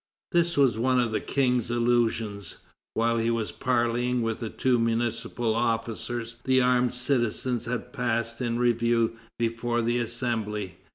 This was one of the King's illusions. While he was parleying with the two municipal officers the armed citizens had passed in review before the Assembly.